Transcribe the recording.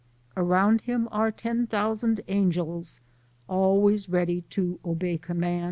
Around him are ten thousan' angels, Always ready to 'bey comman'.